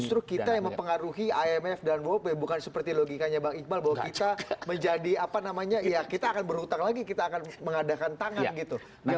justru kita yang mempengaruhi imf dan wop bukan seperti logikanya bang iqbal bahwa kita menjadi apa namanya ya kita akan berhutang lagi kita akan mengadakan tangan gitu